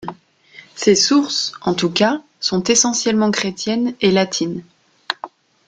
Ses sources, en tout cas, sont essentiellement chrétiennes et latines.